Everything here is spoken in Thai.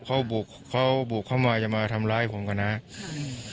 เขาบุกเขาบุกเข้ามาจะมาทำร้ายผมก่อนนะครับ